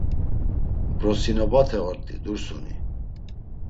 “Vrosinobate ort̆i Dursuni…”